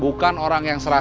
bukan orang yang serakah